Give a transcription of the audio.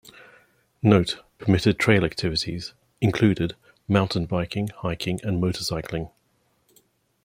Note: permitted trail activities included: mountain biking, hiking, motorcycling.